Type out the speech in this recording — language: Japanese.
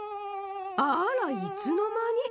あらいつのまに！